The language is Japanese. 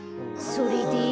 それで？